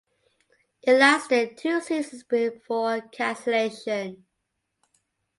It lasted two seasons before cancellation.